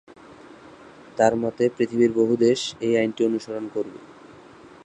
তার মতে পৃথিবীর বহু দেশ এই আইনটি অনুসরণ করবে।